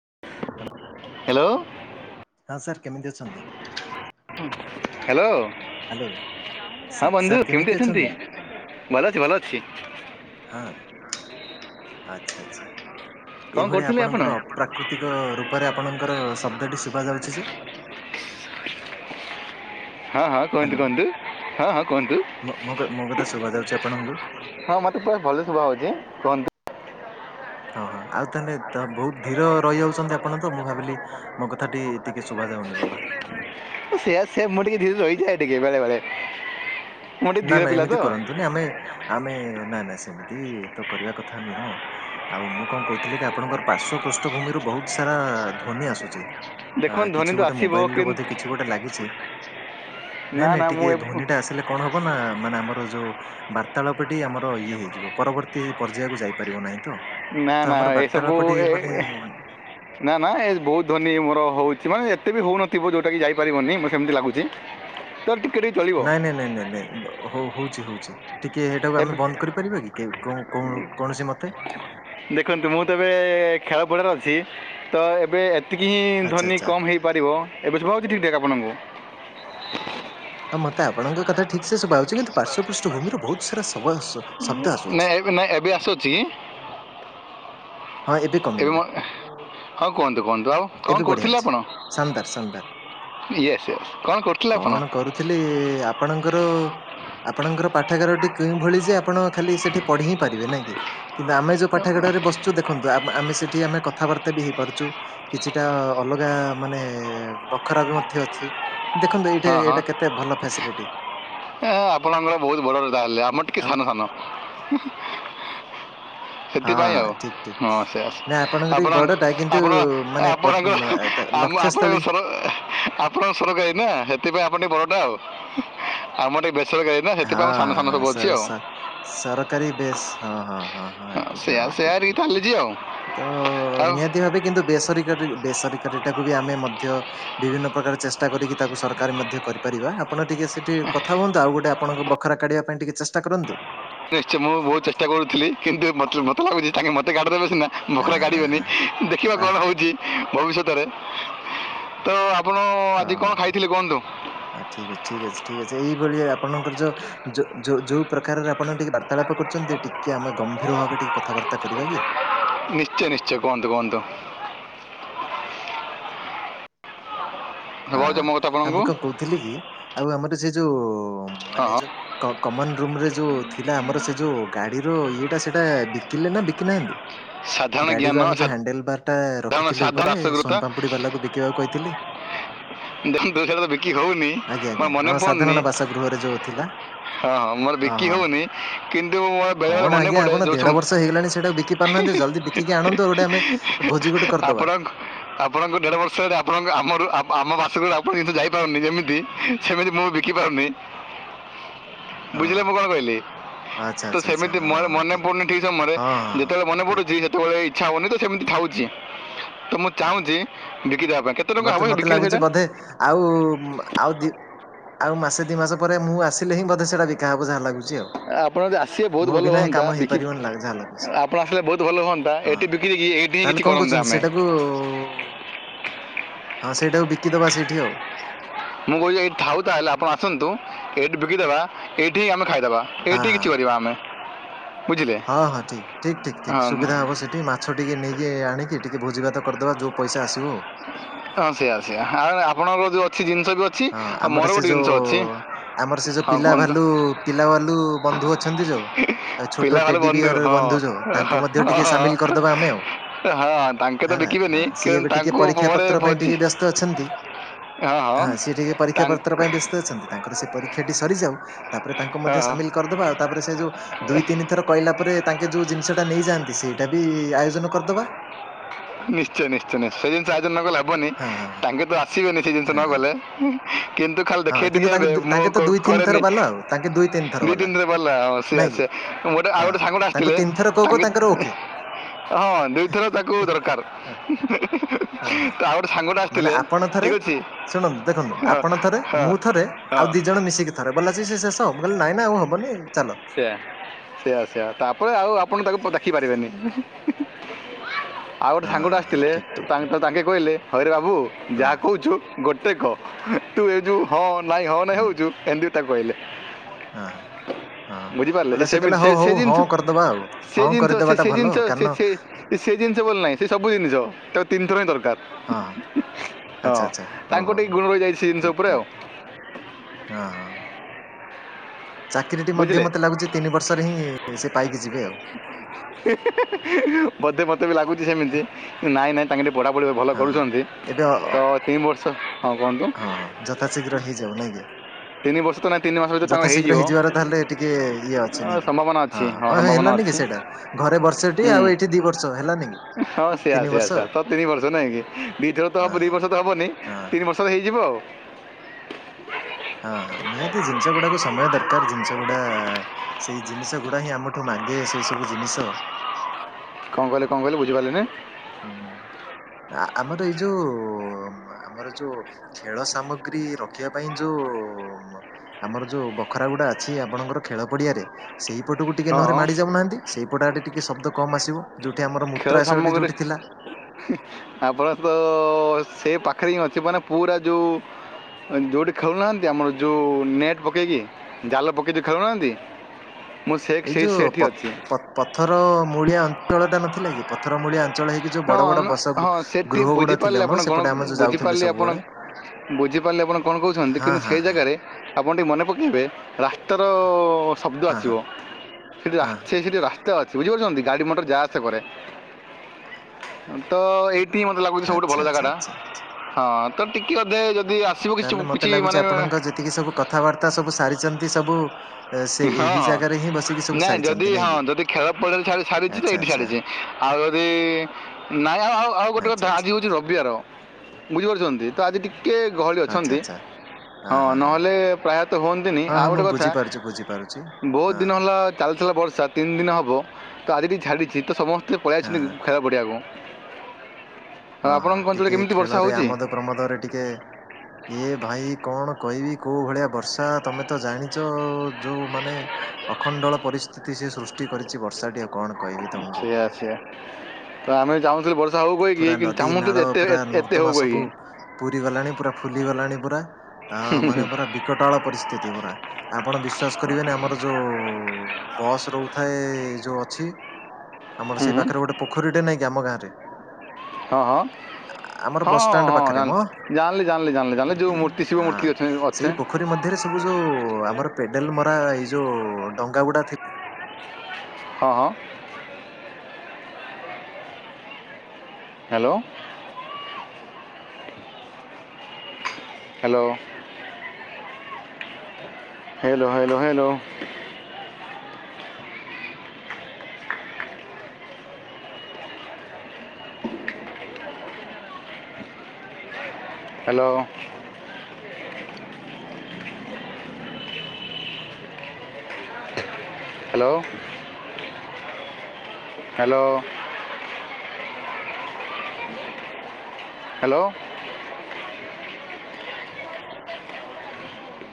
[unintelligible] Hello ଦା sir କେମିତି ଅଛନ୍ତି? ହାଲୋ ହ୍ୟାଲୋ ହଁ ବନ୍ଧୁ କେମିତି ଅଛନ୍ତି? ଭଲ ଅଛି ଭଲ ଅଛି। ହଁ ଆଛା ଆଛା କ'ଣ ଏଇଭଳିଆ କରୁଥିଲେ ଆପଣ ଆପଣଙ୍କର ପ୍ରାକୃତିକ ରୂପରେ ଆପଣଙ୍କର ଶବ୍ଦଟି ଶୁଭାଯାଉଛି ଯେ। ହଁ ହଁ କୁହନ୍ତୁ ହ୍ୟାଲୋ। କୁହନ୍ତୁ ହଁ ହଁ କୁହନ୍ତୁ। ମୋ ମୋ କ ମୋ କଥା ଶୁଭା ଯାଉଛି ଆପଣଙ୍କୁ? ହଁ ମତେ ପୁରା ଭଲରେ ଶୁଭା ହଉଛି କୁହନ୍ତୁ। ହଁ ହଁ ଆଉ ତାହେଲେ ତ ବହୁତ ଧିର ରହିଯାଉଛନ୍ତି ଆପଣ ତ ମୁଁ ଭାବିଲି ମୋ କଥା ଟି ଟିକେ ଶୁଭା ଯାଉନି ଭଲ। ସେଇଆ ସେ ମୁଁ ଟିକେ ଧିରେ ଧିରେ ରଇଯାଏ ଟିକେ ବେଳେ ବଳେ। ନା ନା ଏମିତି କରନ୍ତୁନି ଆମେ ଆମେ ନା ନା ସେମିତି ତ କରିବା କଥା ନୁହଁ। ଆଉ ମୁଁ କଣ କହୁଥିଲି କି ଆପଣଙ୍କର ପାର୍ଶ୍ଵ ପୃଷ୍ଠଭୂମିରୁ ବହୁତ ସାରା ଧ୍ୱନି ଆସୁଛି। ଆ ଦେଖନ୍ତୁ ଧ୍ୱନି କିଛି ତ ଗୋଟେ ଆସିବ ମୋବାଇଲରେ କିନ୍ତୁ ବୋଧେ କିଛି ଗୋଟେ ଲାଗିଛି। ନାଇଁ ନା ନାଇଁ ନା ମୁଁ ଟିକେ ଏ- ଧୋନି ଟା ଆସିଲେ କଣ ହବ ନା ମାନେ ଆମର ଯୋଉ ବାର୍ତ୍ତାଳାପଟି ଆମର ଇଏ ହେଇଯିବ ପରବର୍ତ୍ତୀ ପର୍ଯ୍ୟାୟକୁ ଯାଇପାରିବ ନାହିଁ ତ। ନା ତ ନା ଆମର ଏସବୁ ବାର୍ତ୍ତାଳାପଟି ଏ ମାନେ ନା ନା ଏ ବୋହୁତ ଧୋନି ମୋର ହଉଛି ମାନେ ଏତେ ବି ହଉନଥିବ ଯୋଉଟା କିି ଯାଇପାରିବନି ମତେ ସେମିତି ଲାଗୁଛି। ତ ଟିକେ ଚଳି ନାଇଁ ନାଇଁ ନାଇଁ ନାଇଁ ନାଇଁ ହଉ ହଉଛି ହଉଛି ଟିକେ ଏଇଟାକୁ ଏବେ ଆମେ ବନ୍ଦ କରି ପାରିବେ କି କେଉ କୌ କୌ କୌଣସି ମୋତେ। ଦେଖନ୍ତୁ ମୁଁ ତ ଏବେ ଖେଳ ପଡାରେ ଅଛି ତ ଏବେ ଏତିକି ହିଁ ଆଚ୍ଛା ଧୋନି ଆଚ୍ଛା କମ୍ ହେଇପାରିବ। ଏବେ ସୁଭା ହେଉଛି ଠିକ୍ ଠାକ ଆପଣଙ୍କୁ? ହଁ ମତେ ଆପଣଙ୍କ କଥା ଠିକ ସେ ସୁବା ଆଉଛି କିନ୍ତୁ ପାର୍ଶ୍ୱ ପୃଷ୍ଠଭୂମିର ବୋହୁତ ସାରା ସ ନାଇଁ ଏବେ ନାଇଁ ଏବେ ଆସୁଛି। ହଁ ଏବେ କମିଗଲା ମ ହଁ କୁହନ୍ତୁ କୁହନ୍ତୁ ଆଉ। କଣ ଏବେ ବଢ଼ିଆ କରୁଥିଲେ ଅଛି ଆପଣ ଶାନଦାର ଶାନଦାର। ୟେସ୍ ୟସ୍ କଣ କରୁଥିଲେ ଆପଣ? ଥିଲି ଆପଣଙ୍କର ଆପଣଙ୍କର ପାଠାଗାରଟି କେଉଁ ଭଳି ଯେ ଆପଣ ଖାଲି ସେଠି ପଢ଼ି ହିଁ ପାରିବେ ନା କି? କିନ୍ତୁ ଆମେ ଯୋଉ ପାଠାଗାଡାରେ ବଶୁଛୁ ଦେଖନ୍ତୁ ଆମେ ସେଠି ଆମେ କଥାବାର୍ତ୍ତା ବି ହେଇପାରୁଛୁ। କିଛିଟା ଅଲଗା ମାନେ ବଖରା ବି ମଧ୍ୟ ଅଛି। ଦେଖନ୍ତୁ ଏଇଟା ହଁ ହଁ ଏଇଟା କେତେ ଭଲ ଫ୍ୟାସିଲିଟି। ହଁ ଆପଣଙ୍କର ବୋହୁତ ବଡ ର ତା ହେଲେ ଆମର ଟିକେ ଆଉ ସାନ ସାନ। ହ [inaudible] ସେଥିପାଇଁ ଆଉ ହଁ ସେ ଆସ ଆପଣଙ୍କର ବି ଆପଣ ବଡଟା କିନ୍ତୁ ଆପଣ ମାନେ ପର ଆପଣଙ୍କର ମ ତା ଆମ ଆପଣ ଲକ୍ଷ୍ୟସ୍ଥଳୀ ସର ଆପଣ ସରକାରୀ ନା ସେଥିପାଇଁ ଆପଣ ଟିକେ ବଡ ଟା ଆଉ ଆମର ଟିକେ ବେସରକାରୀ ହଁ ସେଥିପାଇଁ ଆମ ସାନ ହଁ ସାନ ହଁ ସବୁ ଅଛି ସର ଆଉ। ସ ସରକାରୀ ବେସ୍ ହଁ ହଁ ହଁ। ହଁ ଠିକ ସେୟା ହଁ ସେୟା ଠିକ ରି ଠିକ ଚାଲିଛି ଆଉ ଠିକ ତ ଆଉ ନିହା ତି ଭାବେ କିନ୍ତୁ ବେସରକାରୀ ବେସରକାରୀଟାକୁ ବି ଆମେ ମଧ୍ୟ ବିଭିନ୍ନ ପ୍ରକାର ଚେଷ୍ଟା କରିକି ତାକୁ ସରକାର ମଧ୍ୟ କରିପାରିବା। ଆପଣ ଟିକେ ସେଠି କଥା ହୁଅନ୍ତୁ ଆଉ ଗୋଟେ ଆପଣଙ୍କୁ ବଖରା କାଢିବା ପାଇଁ ଟିକେ ଚେଷ୍ଟା କରନ୍ତୁ। ନିଜେ ମୁଁ ବୋହୁତ ଚେଷ୍ଟା କରୁଥିଲି। କିନ୍ତୁ ମତେ ମତେ ଲାଗୁଛି ତାଙ୍କେ ମତେ କାଢି ଦେବେ ସିନା ହଁ ବଖରା ହଁ କାଢିବେନି ହଁ ଦେଖିବା ଆ କଣ ହଉଛି। ଭବିଷ୍ୟତରେ ତ ଆପଣ ଆଜି କଣ ଓହୋ ଖାଇଥିଲେ କୁହନ୍ତୁ? ହଁ ଠିକ୍ ଅଛି ଠିକ୍ ଅଛି ଠିକ୍ ଅଛି ଏଇଭଳିଆ ଆପଣଙ୍କର ଯୋଉ ଯୋ ଯୋଉ ପ୍ରକାରରେ ଆପଣ ଟିକେ ବାର୍ତ୍ତାଳାପ କରୁଛନ୍ତି ଟିକେ ଆମେ ଗମ୍ଭୀର ଭାବେ ଟିକେ କଥାବାର୍ତ୍ତା କରିବା କି? ନିଶ୍ଚୟ ନିଶ୍ଚୟ କୁହନ୍ତୁ କୁହନ୍ତୁ? ହଁ କହୁଛ ହଁ ମୋ କଥା ଆଉ ମୁଁ ଆପଣଙ୍କୁ କଣ କହୁଥିଲି କି ଆଉ ଆମର ସେ ଯୋଉ ହଁ ମାନେ ହଁ। ଯୋଉ କମନ ରୁମରେ ଯୋଉ ଥିଲା ଆମର ସେ ଯୋଉ ଗାଡିର ଇଏଟା ସେଇଟା ବିକିଲେ ନା ବିକିନାହାନ୍ତି? ସାଧାରଣ ଜ୍ଞାନ ଗାଡିର ଆମେ ଯୋଉ ହାଣ୍ଡେଲ ବାର ଟା ସାଧାରଣ ରଖିଥିଲେ ସାଧାରଣ ଉପରେ ରାସଗୃତ ସୋନପାମ୍ପୁଡି ବାଲାକୁ ବିକିବାକୁ କହିଥିଲି। ଦୁସର ତ ବିକି ହଉନି। ଆଜ୍ଞା ଆଜ୍ଞା ହଁ ସାଧାରଣ ବାସଗୃହରେ ଯୋଉ ଥିଲା। ହଁ ହଁ ମୋର ବିକି ଓହୋ ହେଉନି କିନ୍ତୁ ମୋର ବେଳେବେଳେ କଣ ମନେ ଆଜ୍ଞା ପଡ଼େ ଆପଣ ଯେଉଁ ସବୁ ଦେଢ ବର୍ଷ ହେଇଗଲାଣି ସେଇଟାକୁ ବିକି ପାରୁନାହାନ୍ତି, ଯ ଜଲି ବିକି ଆଣନ୍ତୁ ଗୋଟେ ଆମେ ଭୋଜି ଗୋଟେ କରିଦବା। ଆପଣ ଆପଣଙ୍କ ଆପଣଙ୍କୁ ଦେଢ ବର୍ଷ ହେରେ ଆପଣ ଆମର ଆମ ବାସ ଗ ଆପଣ [unintelligible] ଯାଇପାରୁନି ଯେମିତି ସେମିତି ମୁଁ ବିକି ପାରୁନି। [inaudible] ହଁ ବୁଝିଲେ ମୁଁ କଣ କହିଲି? ଆଚ୍ଛା ତ ଆଚ୍ଛା ଆଚ୍ଛା ସେମିତି ହଁ ମ ହଁ ମନେ ପଡୁନି ଠିକ ସମୟରେ ହଁ ହଁ ହଁ ଯେତେବେଳେ ମନେ ଠିକ। ପଡୁଚି ଯେତେବେଳେ ଇଛା ହଉନି ତ ସେମିତି ଥାଉଛି ତ ମୁଁ ଚାହୁଁଛି ବିକି ଦେବା [unintelligible] ମତେ ମତେ ବିକିଲେ ଲାଗୁଛି ସେଇଟା ବୋଧେ ଆଉ ଆଉ ଦି ଆଉ ମାସେ ଦିଇ ମାସ ପରେ ମୁଁ ଆସିଲେ ହିଁ ବୋଧେ ସେଟା ବିକା ହବ ଯାହା ଲାଗୁଛି ଆଉ। ଆପଣ ଯଦି ଆସିବେ ବହୁତ ମୋ ଭଲ ବିନା ହେ ହୁଅନ୍ତା କାମ ବିକି ହେଇପାରିବନି ଲା ଯାହା ଲାଗୁଛି ଆପଣ ଆସିଲେ ବହୁତ ଭଲ ହୁଅନ୍ତା ହଁ ଏଠି ବିକି ଦେଇକି ଏଇ ନେଇ ତାହେଲେ କିଛି କଣ କରନ୍ତେ କରୁଛନ୍ତି ଆମେ। ସେଇଟାକୁ ହଁ ସେଇଟାକୁ ବିକିଦବା ସେଇଠି ଆଉ। ମୁଁ କହୁଛି ଏଇଠି ଥାଉ ତାହେଲେ ଆପଣ ଆସନ୍ତୁ ଏଇଠି ବିକିଦେବା ଏଇଠି ହିଁ ଆମେ ଖାଇଦେବା। ହଁ ଏଇଠି ହଁ। କିଛି କରିବା ଆମେ। ବୁଝିଲେ ହଁ ହଁ ଠିକ ଠିକ ଠିକ ଠିକ ହଁ ସୁବିଧ ହବ। ଟିକେ ମାଛ ଟିକେ ନେଇକି ଆଣିକି ଟିକେ ଭୋଜିଭାତ କରିଦବା ଯେଉଁ ପଇସା ଆସିବ ଆଉ। ଅଁ ସେଆା ସୋ ଆଉ ଆପଣଙ୍କର ଯୋଉ ଅଛି ଜିନିଷ ବି ଅଛି। ହଁ ଆଉ ଆମର ମୋର ସେ ଗୋଟେ ଜିନିଷ ଯୋଉ ଅଛି ଆମର ସେ ଯୋଉ ହଁ ପିଲା କୁହନ୍ତୁ ଭାଲୁ ପିଲା ବାଲୁ ବନ୍ଧୁ ଅ ଅଛନ୍ତି ଯୋଉ ଛୋଟ ପିଲା ଭଲ ଟେଡି ବିୟର ହଁ ବନ୍ଧୁ ଯୋଉ ତାଙ୍କୁ ହଁ ମଧ୍ୟ ହଁ ଟିକେ ସାମିଲ କରିଦବା ଆମେ ଆଉ। ହଁ, ତାଙ୍କେ ତ ହେ ନା ବିକିବେନି ହଁ ସିଏ କିନ୍ତୁ ଏବେ ଟିକେ ତାଙ୍କୁ ପରୀକ୍ଷା ପରେ ପତ୍ର ପାଇଁ ଭୋଜି ଟିକେ ବ୍ୟସ୍ତ ଅଛନ୍ତି। ହଁ ସିଏ ଟିକେ ପରୀକ୍ଷା ତାଙ୍କ ପତ୍ର ପାଇଁ ବ୍ୟା ତାଙ୍କର ସେ ପରୀକ୍ଷା ସରିଯାଉ ତାପରେ ତାଙ୍କୁ ହଁ ମଧ୍ୟ ହଁ, ସାମିଲ କରିଦବା ଆଉ ତାପରେ ସେ ଯୋଉ ଦୁଇ ତିନି ଥର କହିଲା ପରେ ତାଙ୍କେ ଯୋଉ ଜିନିଷଟା ନେଇଯାଆନ୍ତି ସେଇଟା ବି ଆୟୋଜନ କରିଦବା। ନିଶ୍ଚୟ ନିଶ୍ଚୟ ନିଶ ସେ ଜିନିଷ ଆୟୋଜନ ନ କଲେ ହେବନି ହଁ ହଁ ତାଙ୍କେ ତ ଆସିବେନି ସେ ଜିନିଷ ନ ହଁ ହଁ ଗଲେ। କେନ୍ତୁ ଖା ହଁ ହଁ ଦେଖେଇ କିନ୍ତୁ ଟିକେ ତାଙ୍କୁ ହେ ମୁଁ ତାଙ୍କେ ତ ଦୁଇ ତିନି ଥର କରେନି ବାଲା ଆଉ ତାଙ୍କେ ଦୁଇ ତିନି ଥର ଦି ବାଲା ତିନ ଦରେ ପିଲ ହଁ ସିଏ ନାଇଁ ଆସ କି? ଗୋଟେ ଆଉ ହଁ ଗୋଟେ ସାଙ୍ଗ ଗଟେ ତାଙ୍କୁ ଆସିଥିଲେ ତିନି ଥର କହୁ କହୁ ତାଙ୍କେ ତାଙ୍କର ଓକେ ହଁ ଦୁଇଥର ତାକୁ ଦରକାର। ହଁ ହଁ ହଁ ତ ଆଉ ଗୋଟେ ସାଙ୍ଗଟା ମାନେ ଆସିଥିଲେ ଆପଣ ଥରେ ଠିକ ଅଛି। ଶୁଣନ୍ତୁ ଦେଖନ୍ତୁ ହଁ ଆପଣ ଥରେ ହଁ ମୁଁ ଥରେ ହଁ ଆଉ ଦି ଜଣ ମିଶିକି ଥରେ ବଲା ଅଛି ସେ ଶଷବ କହିଲେ ନାଇଁ ନା ଆଉ ହବନି ଚାଲ। ସେୟା ସେଇୟା ସେୟା ତାପରେ ଆଉ ଆପଣ ତାକୁ ଦୋଖିପାରିବେନି। [inaudible] ଆଉ ଗୋଟେ ସାଙ୍ଗଠା ଆସିଥିଲେ ତାଙ୍କେ କହିଲେ ହରେ ବାବୁ ଯାହା କହୁଛୁ ଗୋଟେ କ। ତୁ ଏ ଯୁ ହଁ ନାଇଁ ହଁ ନାଇଁ ହୁଁ ହଉଛୁ ଏମିତି ତାକୁ କହିଲେ। ହଁ ହଁ। ହଁ ବୁଝିପାରିଲେ ବୋଇଲେ ସେ ସେମିତି କହିଲେ ହଉ ସେ ହଉ ହଁ ଜିନିଷ କରିଦବା ଆଉ ସେ ହଁ ଜିନିଷ ସେ ସେ କରିଦବାଟା ଭଲ ଜିନିଷ ସେ କାରଣ। ସେ ସେ ଜିନିଷ ବୋଲି ନାହିଁ ସେ ସବୁ ଜିନିଷ ତାକୁ ତିିନିଥର ହିଁ ଦରକାର। ହଁ ହଁ ଆଚ୍ଛା ଆଚ୍ଛା ହଉ ତାଙ୍କୁ ହଉ ହଉ ଟିକେ ଗୁଣ ରହିଯାଇଛି ସେ ଜିନିଷ ଉପରେ ଆଉ। ଅଁ ହଁ ହଁ। ଚାକିରିଟି ମଧ୍ୟ ବୁଝିଲେ ମୋତେ ଲାଗୁଛି ତିନି ବର୍ଷରେ ହିଁ ସେ ପାଇକି ଯିବେ ଆଉ। ବୋଧେ ମତେ ବି ଲାଗୁଛି ସେମିତି। ନାଇଁ ନାଇଁ ତାଙ୍କେଠି ପଢ଼ାପଢ଼ି ଭଲ ହଁ ହଁ କରୁଛନ୍ତି ଏବେ ଅ- ଅ- ତ କେଇଁ ବର୍ଷ ହଁ ବନ୍ଧୁ ହଁ ଯଥାଶୀଘ୍ର ହେଇଯାଉ ନାଇଁ କି। ତିନି ବର୍ଷ ତ ନାଇଁ ତିନି ମାସ ଭିତରେ ଯଥା ତାଙ୍କର ଶୀଘ୍ର ହେଇଯିବ ହେଇଯିବାର ତାହେଲେ ଟିକେ ଇଏ ଅଛି ଅ, ନାଇଁ କି। ସମ୍ଭାବନା ହଁ ଅଛି ହଁଁ ସମ୍ଭାବନା ହେଲାନି ଅଛି କି ସେଇଟା ଘରେ ବର୍ଷଟି ହୁଁ ଆଉ ଏଇଠି ଦି ବର୍ଷ ହେଲାନି କି। ହଁ ସେୟା ତିନି ସେୟା ବର୍ଷ ସେୟା ଆଉ ତ ତିନ ବର୍ଷ ନାଇଁକି ଦିଥର ତ ହବ ଦୁଇ ହଁ ବର୍ଷ ତ ହବନି ହଁ ହଁ। ତିନି ବ ଷ ହେଇଯିବ ଆଉ। ହଁ ହଁ ନିହାତି ଜିନିଷ ଗୁଡାକୁ ସମୟ ଦରକାର ଜିନିଷ ଗୁଡା ସେଇ ଜିନିଷ ଗୁଡା ହିଁ ଆମଠୁ ମାଗେ ସେଇ ସବୁ ଜିନିଷ। କଁ କହିଲେ କଁ କହିଲେ ବୁଝିପାରିଲି ନାହିଁ। ହୁଁ ଆ ଆମର ଏଇ ଯୋଉ ଆମର ଯୋଉ ଖେଳ ସାମଗ୍ରୀ ରଖିବା ପାଇଁ ଯୋଉ ଆମର ଯୋଉ ବଖରା ଗୁଡା ଅଛି ଆପଣଙ୍କର ଖେଳ ପଡିଆରେ। ସେଇପଟକୁ ଟିକେ ହଁ ନହରେ ହଁ ମାଡି ଯାଉନାହାନ୍ତି ସେଇପଟ ଆଡେ ଟିକେ ଶବ୍ଦ କମ ଆସିବ ଯୋଉଠି ଆମର ମୂତ୍ରାଶୟଟି ଯୋଉଠି ଥିଲା ହିଁ ଆପଣ ତ ସେ ପାଖରେ ହିଁ ଅଛି ମାନେ ପୁରା ଯୋଉ ଯେଉଁଠି ଖେଳୁନାହାଁନ୍ତି ଆମର ଯୋଉ ନେଟ୍ ପକେଇକି ଜାଲ ପକେଇକି ଯୋଉ ଖେଳୁନାହାଁନ୍ତି। ମୁଁ ସେକ୍ ଏଇ ସେଇ ଯୋଉ ପ ସେଠି ଅଛି। ପ ପଥର ମୂଳିଆ ଅଞ୍ଚଳ ଟା ନଥିଲା କି ପଥର ମୂଳିଆ ଅ ଚଳ ହେଇକି ଯୋଉ ହଁ ବଡ ବଡ ନା- ବସ ହଁ ସେଠି ଗୃହ ଗୁଡା ବୁଝିପାରିଲେ ଥିଲେ ଆମ ଆପଣ କ'ଣ ସେପଟେ ଆମେ ଯୋଉ ଯାଉଥିଲେ ବୁଝିପାରିଲେ ଆପଣ ସବୁବେଳେ। ବୁଝିପାରିଲେ ଆପଣ କଣ କହୁଛନ୍ତି ହଁ କିନ୍ତୁ ହଁ ସେଇ ହଁ ଜାଗାରେ ଆପଣ ଟିକେ ମନେ ପକେଇବେ ରାସ୍ତାର ଶବ୍ଦ ହଁ ଆସିବ ହଁ ସେଟି ହଁ ରାଛି ସେଠି ରାସ୍ତା ଅଛି ବୁଝିପାରୁଛନ୍ତି ଗାଡି ମଟର ଯା ଆସେ କରେ। ତ ଏଇଠିି ମତେ ଲାଗୁଛି ସବୁଠୁ ଆଚ୍ଛା ଭଲ ଜାଗା ଆଚ୍ଛା ଟା ଆଚ୍ଛା। ହଁ ତ ଟିକେ ଅଧେ ଯଦି ଆ [unintelligible] କିଛି କିଛି ମାନେ ଏତିକି ସବୁ କଥାବାର୍ତ୍ତା ସବୁ ସାରିଚନ୍ତି ସବୁ। ଏ, ସେ ଏହି ହଁ ଜାଗାରେ ହିଁ ବସିକି ସବୁ ନାଇଁ ଯଦି ସାରିଛନ୍ତି ନାଇଁ ହଁ କି ଯଦି ଖେଳ ପଡିଆଲେ ଛା ଛାରିଚି ତ ଆଚ୍ଛା ଏଇଠି ଆଚ୍ଛା ଛାଡିଚି। ଆଉ ଯଦି ନାଇଁ ଆଉ ଆଉ ଗୋଟେ ଆଚ୍ଛା କଥା ଆଚ୍ଛା। ଆଜି ହଉଛି ରବିବାର। ବୁଝିପାରୁଚନ୍ତି ତ ଆଜି ଟିକେ ଗହଳି ଆଚ୍ଛା ଅଛନ୍ତି। ଆଚ୍ଛା ହଁ ନହେଲେ ପ୍ରାୟତ ହୁଅନ୍ତିନି ହଁ ହଁ ଆଉ ମୁଁ ଗୋଟେ କଥା ବୁଝିପାରୁଛି ବୁଝିପାରୁଛି ବହୁତ ହଁ ଦିନ ହେଲା ଚାଲିଥିଲା ବର୍ଷା ତିନି ଦିନ ହେବ ତ ଆଜି ଟିକି ଝାଡ଼ିଚି ତ ସମସ୍ତେ ପଳେଇ ହଁ ଆସିଲେଣି। ହଁ। ଖେଳ ପଡ଼ିଆକୁ ଆଉ ହଁ ହଁ ଆପଣଙ୍କ ଅଞ୍ଚଳରେ ଟିକେ କେମିତି ବର୍ଷା ଖେଳରେ ହୋଉଚି। ଆମୋଦ ପ୍ରମୋଦରେ ଟିକେ ଏ ଭାଇ କଣ କହିବି କୋଉ ଭଳିଆ ବର୍ଷା ତମେ ତ ଜାଣିଚ ଯୋଉ ମାନେ ଅଖଣ୍ଡଳ ପରିସ୍ଥିତି ସେ ସୃଷ୍ଟି କରିଚି ବର୍ଷାଟିଏ କଣ କହିବି ତମକୁ। ସେଇଆ ସେଇଆ ତ ଆମେ ଚାହୁଁଥିଲୁ ବୋ ପୁରା ନଦୀ ନାଳ ପୁରା ନର୍ଦ୍ଦମା ହେଉ ସବୁ କହିକି ପୁରୀ ଗଲାଣି ପୁରା ଫୁଲିଗଲାଣି ପୁରା ଆ ମାନେ ପୁରା ବିକଟାଳ ପରିସ୍ଥିତି ପୁରା। ଆପଣ ବିଶ୍ୱାସ କରିବେନି ଆମର ଯୋଉ ବସ୍ ରହୁଥାଏ ଯୋଉ ଅଛି ଆମର ହୁଁ ସେଇ ହୁଁ। ପାଖରେ ଗୋଟେ ପୋଖରୀଟେ ନାଇଁ କି ଆମ ଗାଁରେ। ହଁ ହଁ। ଆମର ହଁ ହଁ ବସଷ୍ଟାଣ୍ଡ ହଁ ପାଖରେ ଜା ମ ଜାଣିଲି ଜାଣିଲି ଜାଣିଲି ଜାଣିଲି ଯୋଉ ମୂର୍ତ୍ତି ଶିବ ମୂର୍ତ୍ତି ଅଛି ପଖରୀ ମଧ୍ୟରେ ସ ସବୁ ଯୋଉ ଆମର ପେଡେଲ୍ ମରା ଏଇ ଯୋଉ ଡଙ୍ଗା ଗୁଡା ଥିଲା। ହଁ, ହଁ। Hello. Hello. Hello, hello, hello. Hello hello, hello. Hello [inaudible]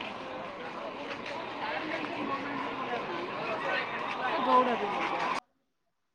ବୋଉ ଡାକୁଛି।